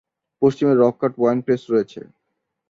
পশ্চিমে রক-কাট ওয়াইন-প্রেস রয়েছে।